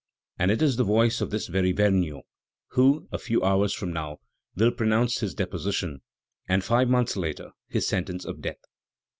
And it is the voice of this very Vergniaud who, a few hours from now, will pronounce his deposition, and five months later his sentence of death.